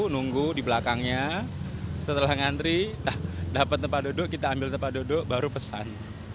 nunggu di belakangnya setelah ngantri dapat tempat duduk kita ambil tempat duduk baru pesan